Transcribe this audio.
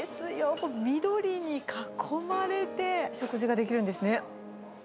これ、緑に囲まれて食事ができるんですね。